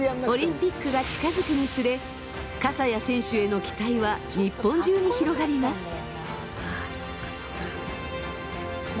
オリンピックが近づくにつれ笠谷選手への期待は日本中に広がります。